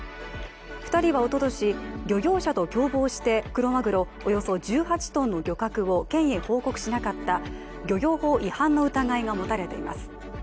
２人はおととし、漁業者と共謀してクロマグロおよそ１８ｔの漁獲を県へ報告しなかった漁業法違反の疑いが持たれています。